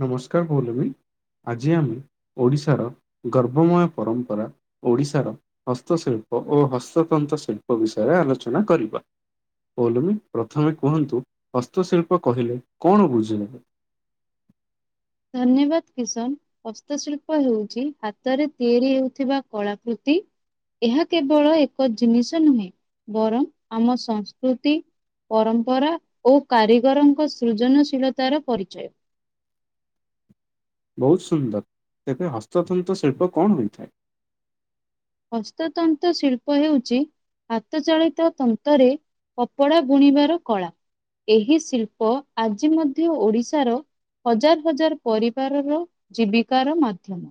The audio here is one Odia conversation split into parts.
ନମସ୍କାର ଭୌଲମୀ। ଆଜି ଆମେ ଓଡ଼ିଶାର ଗର୍ବମୟ ପରମ୍ପରା ଓଡ଼ିଶାର ହସ୍ତଶିଳ୍ପ ଓ ହସ୍ତତନ୍ତ ଶିଳ୍ପ ବିଷୟରେ ଆଲୋଚନା କରିବା। ଭୌଲମୀ ପ୍ରଥମେ କୁହନ୍ତୁ ହସ୍ତଶିଳ୍ପ କହିଲେ କଣ ବୁଝୁିନେବେ? ଧନ୍ୟବାଦ କିଶନ। ହସ୍ତଶିଳ୍ପ ହେଉଛି ହାତରେ ତିଆରି ହେଉଥିବା କଳାକୃତି। ଏହା କେବଳ ଏକ ଜିନିଷ ନୁହେଁ ବରଂ ଆମ ସଂସ୍କୃତି ପରମ୍ପରା ଓ କାରିଗରଙ୍କ ସୃଜନଶୀଳତାର ପରିଚୟ। ବହୁତ ସୁନ୍ଦର, ତେବେ ହସ୍ତତନ୍ତ ଶିଳ୍ପ କଣ ହୋଇଥାଏ? ହସ୍ତତନ୍ତ ଶିଳ୍ପ ହେଉଛି ହାତଚାଳିତ ତନ୍ତରେ କପଡ଼ା ବୁଣିବାର କଳା। ଏହି ଶିଳ୍ପ ଆଜି ମଧ୍ୟ ଓଡିଶାର ହଜାର ହଜାର ପରିବାରର ଜୀବିକାର ମାଧ୍ୟମ।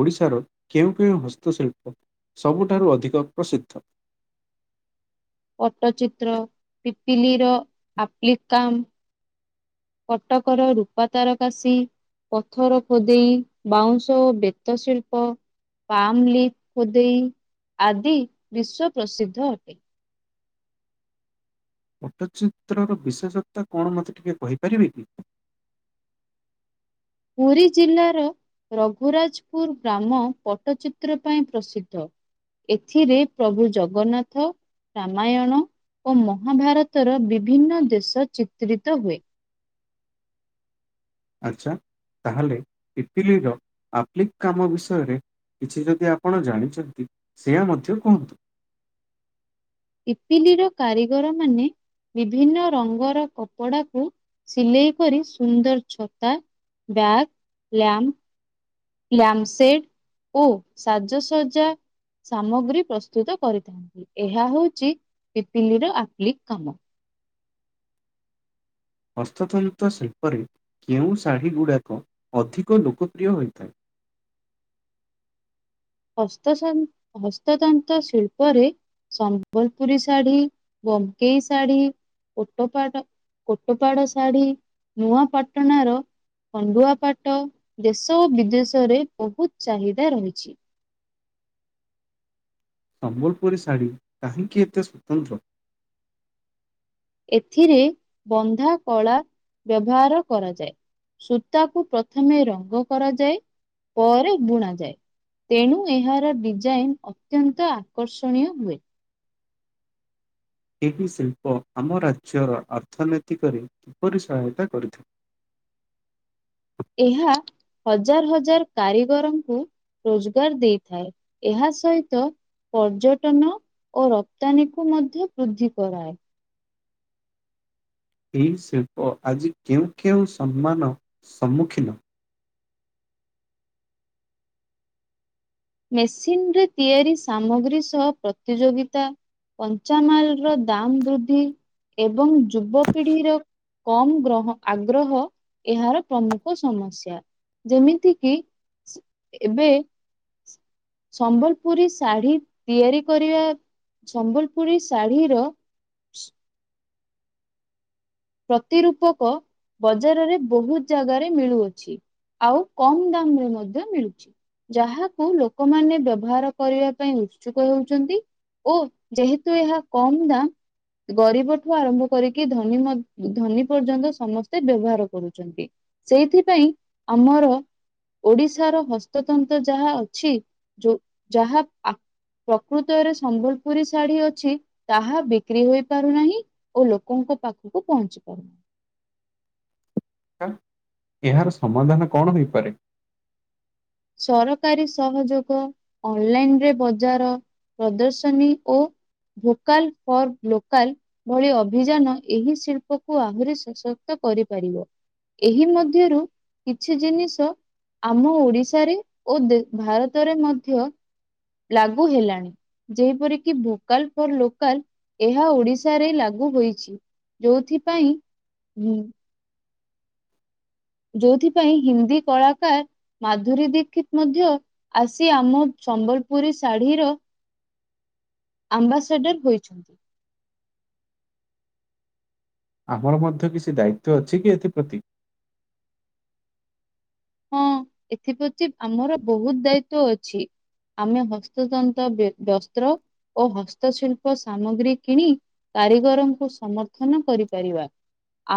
ଓଡ଼ିଶାର କେଉଁ କେଉଁ ହସ୍ତଶିଳ୍ପ ସବୁଠାରୁ ଅଧିକ ପ୍ରସିଦ୍ଧ? ପଟ୍ଟଚିତ୍ର, ପିପିଲିର ଆପ୍ଲିକାମ୍ କଟକର ରୂପା ତାରକାସୀ ପଥର ଖୋଦେଇ, ବାଉଁଶ ଓ ବେତ ଶିଳ୍ପ ପାମ୍ ଲିଫ୍ ଖୋଦେଇ ଆଦି ବିଶ୍ଵ ପ୍ରସିଦ୍ଧ ଅଟେ। ପଟ୍ଟଚିତ୍ରର ବିଶେଷତ୍ୱ କଣ ମୋତେ ଟିକେ କହିପାରିବେ କି? ପୁରୀ ଜିଲ୍ଲାର ରଘୁରାଜପୁର ଗ୍ରାମ ପଟ୍ଟଚିତ୍ର ପାଇଁ ପ୍ରସିଦ୍ଧ। ଏଥିରେ ପ୍ରଭୁ ଜଗନ୍ନାଥ ରାମାୟଣ ଓ ମହାଭାରତର ବିଭିନ୍ନ ଦେଶ ଚିତ୍ରିତ ହୁଏ। ଆଚ୍ଛା, ତାହେଲେ ପିପିଲିର ଆପ୍ଲିକ କାମ ବିଷୟରେ କିଛି ଯଦି ଆପଣ ଜାଣିଛନ୍ତି, ସେୟା ମଧ୍ୟ କୁହନ୍ତୁ। ପିପିଲିର କାରିଗର ମାନେ ବିଭିନ୍ନ ରଙ୍ଗର କପଡାକୁ ସିଲେଇ କରି ସୁନ୍ଦର ଛତା, ବ୍ୟାଗ୍, ଲ୍ୟାମ୍ପ ଲ୍ୟାମ୍ପସେଟ୍ ଓ ସାଜସଜା ସାମଗ୍ରୀ ପ୍ରସ୍ତୁତ କରିଥାନ୍ତି। ଏହା ହଉଛି ପିପିଲିର ଆପ୍ଲିକ୍ କାମ। ହସ୍ତତନ୍ତ ଶିଳ୍ପରେ କେଉଁ ଶାଢ଼ୀ ଗୁଡ଼ାକ ଅଧିକ ଲୋକପ୍ରିୟ ହୋଇଥାଏ? ହସ୍ତ ହସ୍ତତନ୍ତ ଶିଳ୍ପରେ ସମ୍ବଲପୁରୀ ଶାଢୀ, ବୋମକେଇ ଶାଢ଼ୀ କୋଟପାଡ କୋଟପାଡ ଶାଢୀ ନୂଆପାଟଣାର ଖଣ୍ଡୁଆପାଟ ଦେଶ ଓ ବିଦେଶରେ ବହୁତ ଚାହିଦା ରହିଛି। ସମ୍ବଲପୁରୀ ଶାଢ଼ୀ କାହିଁକି ଏତେ ସ୍ୱତନ୍ତ୍ର? ଏଥିରେ ବନ୍ଧା କଳା ବ୍ୟବହାର କରାଯାଏ। ସୂତାକୁ ପ୍ରଥମେ ରଙ୍ଗ କରାଯାଏ, ପରେ ବୁଣାଯାଏ। ତେଣୁ ଏହାର ଡିଜାଇନ ଅତ୍ୟନ୍ତ ଆକର୍ଷଣୀୟ ହୁଏ। ଏହି ଶିଳ୍ପ ଆମ ରାଜ୍ୟର ଅର୍ଥନୈତିକରେ କିପରି ସହାୟତା କରିଥାଏ? ଏହା ହଜାର ହଜାର କାରିଗରଙ୍କୁ ରୋଜଗାର ଦେଇଥାଏ। ଏହା ସହିତ ପର୍ଯ୍ୟଟନ ଓ ରପ୍ତାନୀକୁ ମଧ୍ୟ ବୃଦ୍ଧି କରାଏ। ଏହି ଶିଳ୍ପ ଆଜି କେଉଁ କେଉଁ ସମ୍ମାନ ସମ୍ମୁଖୀନ? ମେସିନରେ ତିଆରି ସାମଗ୍ରୀ ସହ ପ୍ରତିଯୋଗିତା କଞ୍ଚାମାଲର ଦାମ ବୃଦ୍ଧି ଏବଂ ଯୁବପିଢିର କମ୍ ଗ୍ରହ ଆଗ୍ରହ ଏହାର ପ୍ରମୁଖ ସମସ୍ୟା। ଯେମିତିକିି ଏବେ ସମ୍ବଲପୁରୀ ଶାଢୀ ତିଆରି କରିବା, ସମ୍ବଲପୁରୀ ଶାଢୀର ପ୍ରତିରୂପକ ବଜାରରେ ବହୁତ ଜାଗାରେ ମିଳୁଅଛି। ଆଉ କମ୍ ଦାମରେ ମଧ୍ୟ ମିଳୁଛି। ଯାହାକୁ ଲୋକମାନେ ବ୍ୟବହାର କରିବା ପାଇଁ ଉତ୍ସୁକ ହେଉଛନ୍ତି। ଓ ଯେହେତୁ ଏହା କମ ଦାମ୍ ଗରିବଠୁ ଆରମ୍ଭ କରିକି ଧନୀ ମ ଧନୀ ପର୍ଯ୍ୟନ୍ତ ସମସ୍ତେ ବ୍ୟବହାର କରୁଛନ୍ତି। ସେଇଥିପାଇଁ ଆମର ଓଡିଶାର ହସ୍ତତନ୍ତ୍ର ଯାହା ଅଛି ଯାହା ପ୍ରକୃତରେ ସମ୍ବଲପୁରୀ ଶାଢୀ ଅଛି ତାହା ବିକ୍ରି ହୋଇ ପାରୁନାହିଁ। ଓ ଲୋକଙ୍କ ପାଖକୁ ପହଞ୍ଚି ପାରୁନି। ଆଁ! ଏହାର ସମାଧାନ କଣ ହୋଇପାରେ? ସରକାରୀ ସହଯୋଗ, ଅନଲାଇନ୍ ରେ ବଜାର ପ୍ରଦର୍ଶନୀ ଓ ଭୋକାଲ୍ ଫର୍ ଲୋକାଲ୍ ଭଳି ଅଭିଯାନ, ଏହି ଶିଳ୍ପକୁ ଆହୁରି ସଶକ୍ତ କରିପାରିବ। ଏହି ମଧ୍ୟରୁ କିଛି ଜିନିଷ ଆମ ଓଡିଶ୍ ଶାରେ ଓଦେ ଭାରତରେ ମଧ୍ୟ ଲାଗୁ ହେଲାଣି। ଯେପରକିି, ଭୋକାଲ୍ ଫର୍ ଲୋକାଲ୍। ଏହା ଓଡିଶାରେ ଲାଗୁ ହୋଇଛି। ଯୋଉଥିପାଇଁ, ହୁଁ ଯୋଉଥିପାଇଁ, ହିନ୍ଦୀ କଳାକାର ମାଧୁରୀ ଦୀକ୍ଷିତ୍ ମଧ୍ୟ ଆସି ଆମ ସମ୍ବଲପୁରୀ ଶାଢୀର ଆମ୍ବାସେଡର୍ ହୋଇଛନ୍ତି। ଆମର ମଧ୍ୟ କିଛି ଦାୟିତ୍ଵ ଅଛି କି ଏଥିପ୍ରତି? ହଁ, ଏଥିପ୍ରତି ଆମର ବହୁତ ଦାୟିତ୍ଵ ଅଛି। ଆମେ ହସ୍ତତନ୍ତ ବେ-ବସ୍ତ୍ର ଓ ହସ୍ତଶିଳ୍ପ ସାମଗ୍ରୀ କିଣି କାରିଗରଙ୍କୁ ସମର୍ଥନ କରିପାରିବା।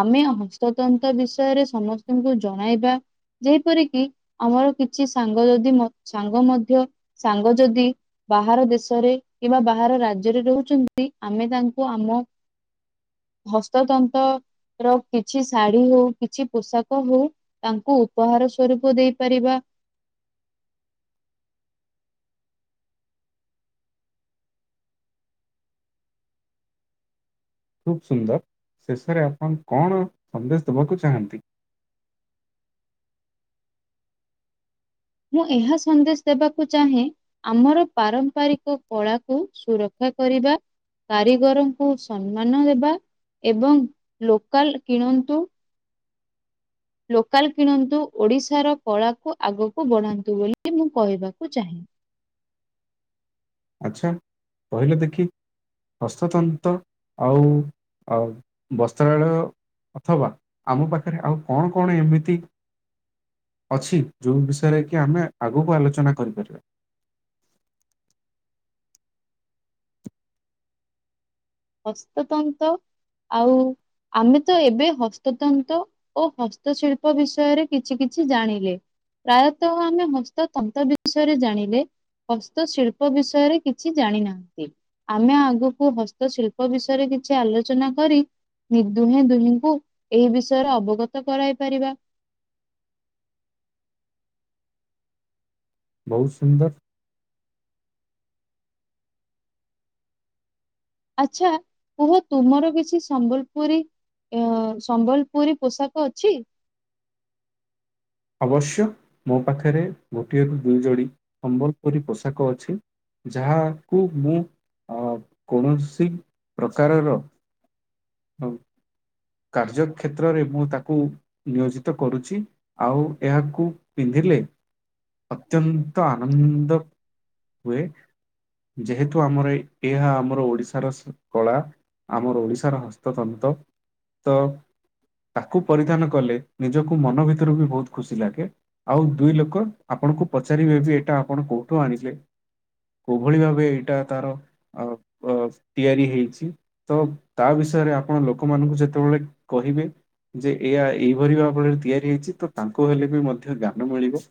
ଆମେ ହସ୍ତତନ୍ତ ବିଷୟରେ ସମସ୍ତଙ୍କୁ ଜଣାଇବା। ଯେପରିକି, ଆମର କିଛି ସାଙ୍ଗ ଯଦି, ମ ସାଙ୍ଗ ମଧ୍ୟ ସାଙ୍ଗ ଯଦି ବାହାର ଦେଶରେ କିମ୍ବା ବାହାର ରାଜ୍ୟରେ ରହୁଛନ୍ତି, ଆମେ ତାଙ୍କୁ ଆମ ହସ୍ତତନ୍ତ ର କିଛି ଶାଢୀ ହଉ, କିଛି ପୋଷାକ ହଉ, ତାଙ୍କୁ ଉପହାର ସ୍ୱରୂପ ଦେଇପାରିବା। ଖୁବ୍ ସୁନ୍ଦର! ଶେଷରେ ଆପଣ କଣ ସନ୍ଦେଶ ଦେବାକୁ ଚାହାଁନ୍ତି? ମୁଁ ଏହା ସନ୍ଦେଶ ଦେବାକୁ ଚାହେଁ ଆମର ପାରମ୍ପରିକ କଳାକୁ ସୁରକ୍ଷା କରିବା। କାରିଗରଙ୍କୁ ସମ୍ମାନ ଦେବା ଏବଂ ଲୋକାଲ୍ କିଣନ୍ତୁ। ଲୋକାଲ୍ କିଣନ୍ତୁ। ଓଡିଶାର କଳାକୁ ଆଗକୁ ବଢାନ୍ତୁ ବୋଲି ମୁଁ କହିବାକୁ ଚାହେଁ। ଆଚ୍ଛା, କହିଲ ଦେଖି ହସ୍ତତନ୍ତ ଆଉ, ଆଉ ବସ୍ତ୍ରାଳୟ ଅଥବା, ଆମ ପାଖରେ ଆଉ କଣ କଣ ଏମିତି? ଅଛି, ଯଉ ବିଷୟରେ କି ଆମେ ଆଗକୁ ଆଲୋଚନା କରିପାରିବା। ହସ୍ତତନ୍ତ ଆଉ, ଆମେ ତ ଏବେ ହସ୍ତତନ୍ତ ଓ ହସ୍ତଶିଳ୍ପ ବିଷୟରେ କିଛି କିଛି ଜାଣିଲେ। ପ୍ରାୟତଃ, ଆମେ ହସ୍ତ ତନ୍ତ ବିଷୟରେ ଜାଣିଲେ। ହସ୍ତଶିଳ୍ପ ବିଷୟରେ କିଛି ଜାଣି ନାହାଁନ୍ତି? ଆମେ ଆଗକୁ ହସ୍ ତ ଶିଳ୍ପ ବିଷୟରେ କିଛି ଆଲୋଚନା କରି ଦୁହେଁ, ଦୁହିଁଙ୍କୁ ଏହି ବିଷୟରେ ଅବଗତ କରାଇ ପାରିବା। ବହୁତ ସୁନ୍ଦର! ଆଚ୍ଛା, କୁହ ତୁମର କିଛି ସମ୍ବଲପୁରୀ ଏହା ସମ୍ବଲପୁରୀ ପୋଷାକ ଅଛି? ଅବଶ୍ୟ, ମୋ ପାଖରେ ଗୋଟିଏ କି ଦୁଇ ଯୋଡ଼ି ସମ୍ବଲପୁରୀ ପୋଷାକ ଅଛି। ଯାହାକୁ ମୁଁ, ଅ କୌଣସି ପ୍ରକାରର ହ କାର୍ଯ୍ୟକ୍ଷେତ୍ରରେ ମୁଁ ତାକୁ ନିୟୋଜିତ କରୁଛି। ଆଉ ଏହାକୁ ପିନ୍ଧିଲେ ଅତ୍ୟନ୍ତ ଆନନ୍ଦ ହୁଏ। ଯେହେତୁ ଆମର ଏଇ ଏହା ଆମର ଓଡିଶାର କଳା। ଆମର ଓଡ଼ିଶାର ହସ୍ତତନ୍ତ। ତ ତାକୁ ପରିଧ୍ୟାନ କଲେ ନିଜକୁ ମନ ଭିତରୁ ବି ବହୁତ ଖୁସି ଲାଗେ। ଆଉ ଦୁଇ ଲୋକ ଆପଣଙ୍କୁ ପଚାରିବେ ଯେ ଏଇଟା ଆପଣ କୋଉଠୁ ଆଣିଲେ। କଉଭଳି ଭାବେ ଏଇଟା ତାର। ଅଉ ଅ ତିଆରି ହେଇଛି ତ ତା ବିଷୟରେ ଆପଣ ଲୋକମାନଙ୍କୁ ଯଦି। ଯେତେବେଳେ କହିବେ। ଯେ ଏଇଆ ଏହିଭଳି ଭାବରେ ତିଆରି ହେଇଛି ତ ତାଙ୍କୁ ହେଲେ ବି ମଧ୍ୟ ଜ୍ଞାନ ମିଳିବ।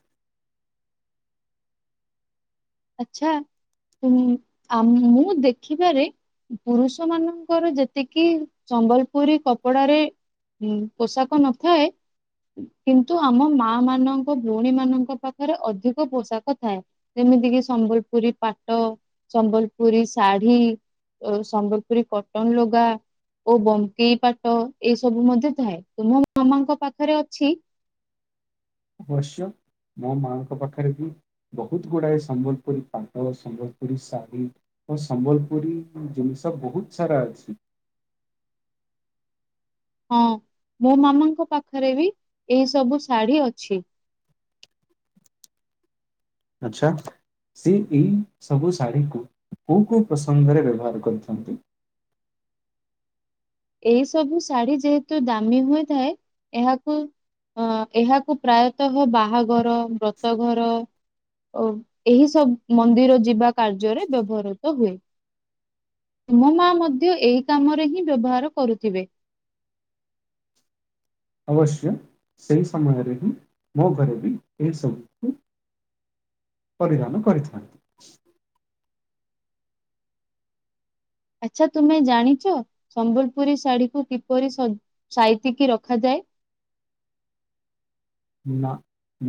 ଆଚ୍ଛା ଉମ୍ ଆମ ମୁଁ ଦେଖିବାରେ। ପୁରୁଷ ମାନଙ୍କର ଯେତିକି ସମ୍ବଲପୁରୀ କପଡାରେ। ଉଁ ପୋଷାକ ନଥାଏ। କିନ୍ତୁ ଆମ ମା ମାନଙ୍କ ଭଉଣୀ ମାନଙ୍କ ପାଖରେ ଅଧିକ ପୋଷାକ ଥାଏ। ଯେମିତି କିି ସମ୍ବଲପୁରୀ ପାଟ ସମ୍ବଲପୁରୀ ଶାଢୀ। ଆଉ ସମ୍ବଲପୁରୀ କଟନ ଲୁଗା। ଓ ବମ୍କେଇ ପାଟ ଏଇ ସବୁ ମଧ୍ୟ ଥାଏ ତ ମୋ ମାମାଙ୍କ ପାଖରେ ଅଛି। ଅବଶ୍ୟ ମୋ ମାଆଙ୍କ ପାଖରେ ବି। ବହୁତ ଗୁଡାଏ ସମ୍ବଲପୁରୀ ପାଟ ସମ୍ବଲପୁରୀ ଶାଢ଼ୀ। ଓ ସମ୍ବଲପୁରୀ ଜିନିଷ ବହୁତ ସାରା ଅଛି। ହଁ ମୋ ମାମାଙ୍କ ପାଖରେ ବି ଏଇ ସବୁ ଶାଢ଼ୀ ଅଛି। ଆଛା। ସିଏ ଏଇ ସବୁ ଶାଢ଼ୀକୁ କୋଉ କୋଉ ପ୍ରସଙ୍ଗରେ ବ୍ୟବହାର କରିଛନ୍ତି। ଏଇ ସବୁ ଶାଢୀ ଯେହେତୁ ଦାମୀ ହୋଇଥାଏ ଏହାକୁ। ଅ ଏହାକୁ ପ୍ରାୟତଃ ବାହାଘର ବ୍ରତ ଘର। ଓ ଏହି ସବ ମନ୍ଦିର ଯିବା କାର୍ଯ୍ୟରେ ବ୍ୟବହୃତ ହୁଏ। ତୁମ ମା ମଧ୍ୟ ଏହି କାମରେ ହିଁ ବ୍ୟବହାର କରୁଥିବେ। ଅବଶ୍ୟ ସେଇ ସମମୟରେ ହିଁ ମୋ ଘରେ ଏହି ସବୁ କୁ। ପରିଧାନ କରିଥାନ୍ତି। ଆଚ୍ଛା ତୁମେ ଜାଣିଛ ସମ୍ବଲପୁରୀ ଶାଢୀ କୁ କିପରି ସଜ ସାଇତିକି ରଖାଯାଏ। ନା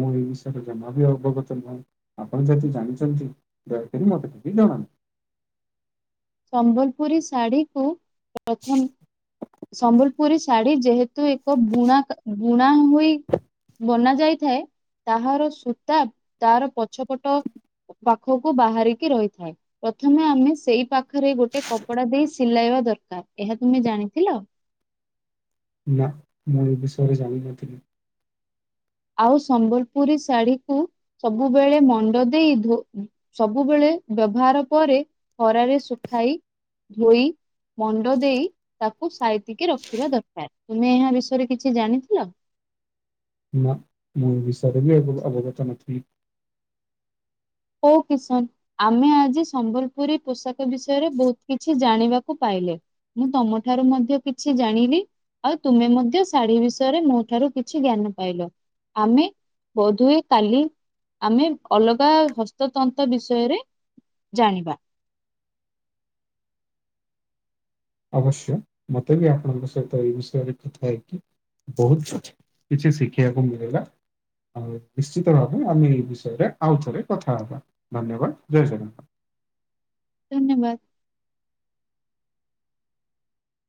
ମୁଁ ଏଇ ବିଷୟ ରେ ଜମା ବି ଅବଗତ ନାହିଁ। ଆପଣ ଯଦି ଜାଣିଛନ୍ତି ଦୟାକରି ମତେ ଟିକ ଜଣାନ୍ତୁ। ସମ୍ବଲପୁରୀ ଶାଢ଼ୀକୁୁ ପ୍ରଥମ ସମ୍ବଲପୁରୀ ଶାଢ଼ୀ ଯେହେତୁ ଏକ ବୁଣା କା ବୁଣା ହୋଇ। ବନା ଯାଇଥାଏ ତାହାର ସୂତା ତାର ପଛପଟ। ପାଖକୁ ବାହାରିକି ରହିଥାଏ ପ୍ରଥମେ ଆମେ ସେଇ ପାଖ। ପାଖରେ ଗୋଟେ କପଡା ଦେଇ ସିଲାଇବା ଦରକାର ଏହା ତୁମେ ଜାଣିଥିଲ। ନା ମୁଁ ଏ ବିଷରେ ଜଣି ନଥିଲି। ଆଉ ସମ୍ବଲପୁରୀ ଶାଢୀ କୁ। ସବୁବେଳେ ମଣ୍ଡ ଦେଇ ଧୋ ସବୁବେଳେ ବ୍ୟବହାର ପରେ। ଖରାରେ ଶୁଖାଇ ଧୋଇ ମଣ୍ଡ ଦେଇ ତାକୁ ସାଇ ତି କି ରଖିବା ଦରକାର ତୁମେ ଏହା ବିଷୟରେ କିଛି ଜାଣିଥିଲ। ନା ମଁ ଏ ବିଷୟରେ ବି ଏବ ଅବଗତ ନଥିଲି। କୋଉ କିଶାନ। ଆମେ ଆଜି ସମ୍ବଲପୁରୀ ପୋଷାକ ବିଷୟରେ ବହୁତ କିଛି ଜାଣିବାକୁ ପାଇଲେ। ମୁଁ ତମ ଠାରୁ ମଧ୍ୟ କିଛି ଜାଣିଲି। ଆଉ ତୁମେ ମଧ୍ୟ ଶାଢ଼ୀ ବିଷୟରେ ମୋ ଠାରୁ କିଛି ଜ୍ଞାନ ପାଇଲ। ଆମେ ବୋଧହୁଏ କାଲି ଆମେ ଅଲଗା ହସ୍ତତନ୍ତ ବିଷୟରେ ଜାଣିବା। ଅବଶ୍ୟ ମତେ ବି ଆପଣଙ୍କ ସହିତ ଏଇ ବିଷୟରେ କଥା ହେଇକି ବହୁତ କିଛି ଶିଖିବାକୁ ମିଳିଲା। ଆଉ ନିଶ୍ଚିତ ଭାବେ ଆମେ ଏ ବିଷୟରେ ଆଉ ଥରେ କଥା ହେବା ଧନ୍ୟବାଦ ଜୟ ଜଗନ୍ନାଥ। ଧନ୍ୟବାଦ।